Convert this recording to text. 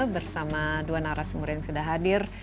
bersama dua narasumber yang sudah hadir